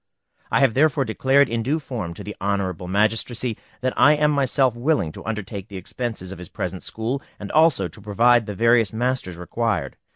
I have therefore declared in due form to the Honorable Magistracy that I am myself willing to undertake the expenses of his present school, and also to provide the various masters required.